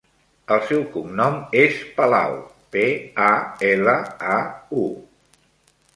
El seu cognom és Palau: pe, a, ela, a, u.